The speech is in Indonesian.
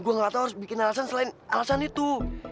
gue gatau harus bikin alasan selain alasan itu